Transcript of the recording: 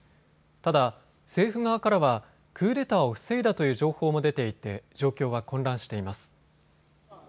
ただ、政府側からはクーデターを防いだという情報も出ていて状況は混乱しています。